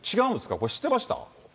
これ、知ってました？